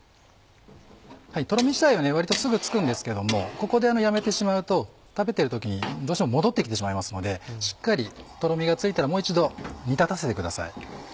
とろみ自体は割とすぐつくんですけれどもここでやめてしまうと食べてる時にどうしても戻って来てしまいますのでしっかりとろみがついたらもう一度煮立たせてください。